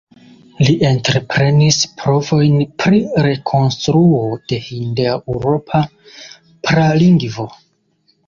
Li entreprenis provojn pri rekonstruo de hindeŭropa pralingvo.